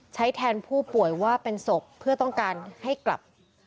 แทนผู้ป่วยว่าเป็นศพเพื่อต้องการให้กลับ